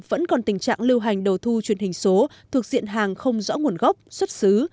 vẫn còn tình trạng lưu hành đầu thu truyền hình số thuộc diện hàng không rõ nguồn gốc xuất xứ